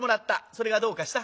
それがどうかした？」。